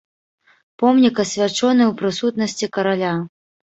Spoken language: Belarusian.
Помнік асвячоны ў прысутнасці караля.